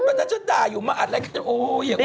มันน่าจะด่าอยู่มาอะไรกันโอ้โฮ